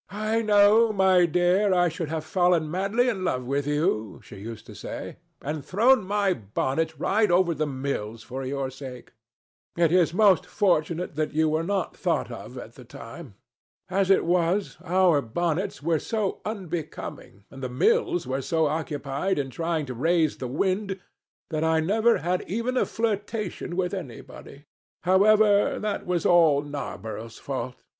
"I know, my dear, I should have fallen madly in love with you," she used to say, "and thrown my bonnet right over the mills for your sake. It is most fortunate that you were not thought of at the time. As it was, our bonnets were so unbecoming, and the mills were so occupied in trying to raise the wind, that I never had even a flirtation with anybody. However, that was all Narborough's fault.